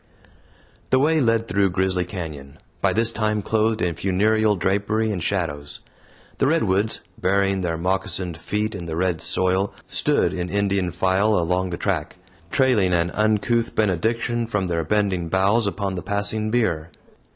The way led through Grizzly Canyon by this time clothed in funereal drapery and shadows. The redwoods, burying their moccasined feet in the red soil, stood in Indian file along the track, trailing an uncouth benediction from their bending boughs upon the passing bier.